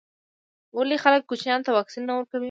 ولي خلګ کوچنیانو ته واکسین نه ورکوي.